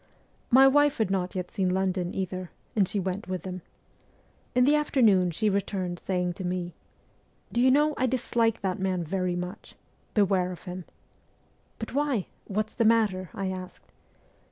My wife had not yet seen London either, and she went with them. In the after noon she returned saying to me :' Do you know, I dislike that man very much. Beware of him.' ' But why ? What's the matter ?' I asked.